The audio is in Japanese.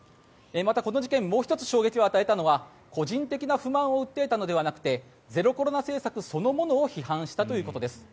また、この事件もう１つ衝撃を与えたのは個人的な不満を訴えたのではなくてゼロコロナ政策そのものを批判したということです。